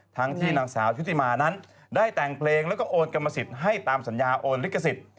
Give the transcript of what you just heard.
ทั้งที่นางสาวชุติมานั้นได้แต่งเพลงแล้วก็โอนกรรมสิทธิ์ให้ตามสัญญาโอนลิขสิทธิ์